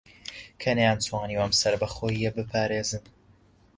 کە نەیانتوانیوە ئەم سەربەخۆیییە بپارێزن